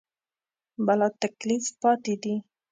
بلاتکلیف پاتې دي.